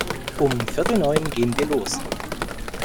Um viertel neun gehn wir los.